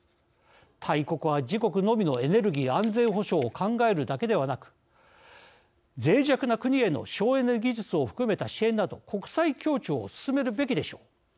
大国は自国のみのエネルギー安全保障を考えるだけではなくぜい弱な国への省エネ技術を含めた支援など国際協調を進めるべきでしょう。